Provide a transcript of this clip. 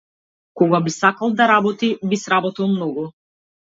Кога би сакал да работи би сработил многу.